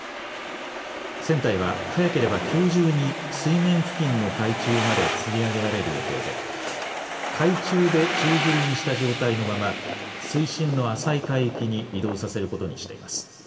船体は早ければきょう中に水面付近の海中までつり上げられる予定で海中で宙づりにした状態のまま水深の浅い海域に移動させることにしています。